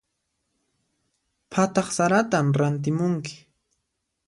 Phataq saratan rantimunki.